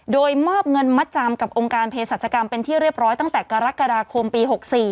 โดยมอบเงินมัดจำกับองค์การเพศรัชกรรมเป็นที่เรียบร้อยตั้งแต่กรกฎาคมปี๖๔